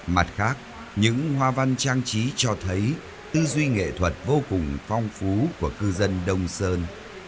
mặt khác những hoa văn trang trí cho thấy tư duy nghệ thuật vô cùng phong phú của cư dân đông sơn